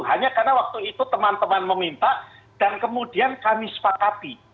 hanya karena waktu itu teman teman meminta dan kemudian kami sepakati